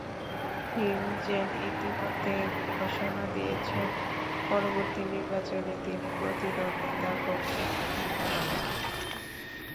Thin চেন ইতিমধ্যে ঘোষণা দিয়েছেন, পরবর্তী নির্বাচনে তিনি প্রতিদ্বন্দ্বিতা করবেন না।